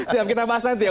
siap kita bahas nanti ya